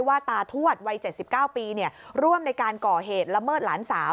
ตาทวดวัย๗๙ปีร่วมในการก่อเหตุละเมิดหลานสาว